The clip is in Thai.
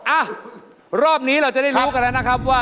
อ่ะรอบนี้เราจะได้รู้กันแล้วนะครับว่า